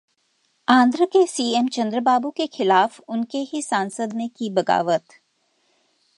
आंध्र के सीएम चंद्रबाबू के खिलाफ उनके ही सांसद ने की बगावत